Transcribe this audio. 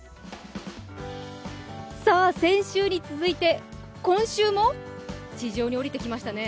先週に続いて今週も地上に下りてきましたね。